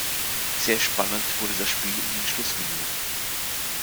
Sehr spannend wurde das Spiel in den Schlussminuten.